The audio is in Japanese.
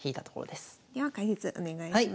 では解説お願いします。